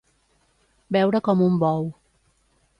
Beure com un bou.